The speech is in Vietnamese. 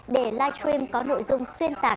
để livestream có nội dung xuyên tạc